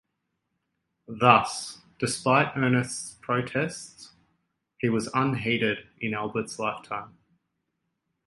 Thus despite Ernest's protests, he went unheeded in Albert's lifetime.